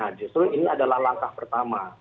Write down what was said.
nah justru ini adalah langkah pertama